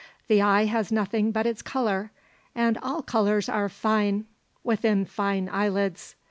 The eye has nothing but its colour, and all colours are fine within fine eyelids.